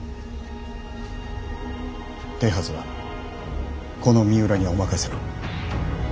手はずはこの三浦にお任せを。